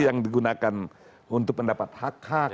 yang digunakan untuk mendapat hak hak